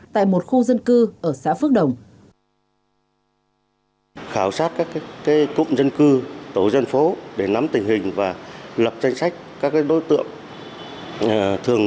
tại một khu dân cư ở xã phước đồng